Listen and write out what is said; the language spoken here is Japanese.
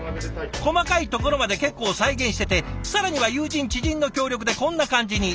細かいところまで結構再現してて更には友人知人の協力でこんな感じに。